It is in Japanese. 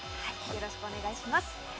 よろしくお願いします。